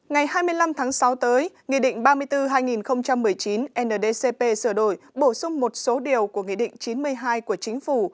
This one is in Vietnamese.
ngày hai mươi năm tháng sáu tới nghị định ba mươi bốn hai nghìn một mươi chín ndcp sửa đổi bổ sung một số điều của nghị định chín mươi hai của chính phủ